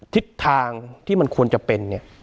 ทิศทางที่มันควรจะเป็นเนี่ย